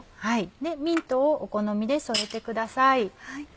ミントをお好みで添えてください。